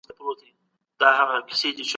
که ته وختي له خوبه پاڅېږې نو صحت به دې ښه وي.